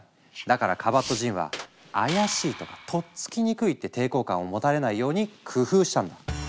だからカバットジンは「怪しい」とか「とっつきにくい」って抵抗感を持たれないように工夫したんだ。